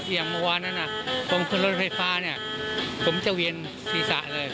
อย่างเมื่อวานนั้นผมขึ้นรถไฟฟ้าเนี่ยผมจะเวียนศีรษะเลย